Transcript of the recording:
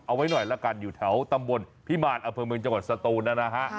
เอาไว้หน่อยละกันอยู่แถวตำบลพิมารอเภอเมืองจังหวัดสตูนนะฮะ